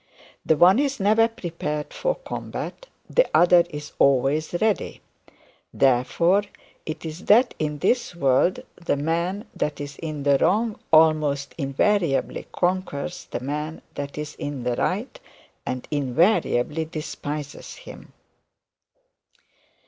The one is never prepared for combat, the other is always ready. Therefore it is that in this world the man that is in the wrong almost invariably conquers the man that is in the right, and invariably despises him.